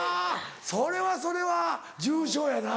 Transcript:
それはそれは重症やな。